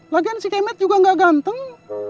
lagian si kemet juga gak ganteng